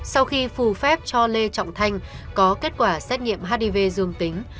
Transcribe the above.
sau khi phù phép cho lê trọng thanh có kết quả xét nghiệm hdv dương tính